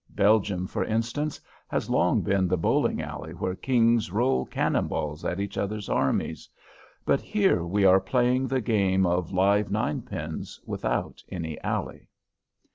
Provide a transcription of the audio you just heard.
Belgium, for instance, has long been the bowling alley where kings roll cannon balls at each other's armies; but here we are playing the game of live ninepins without any alley.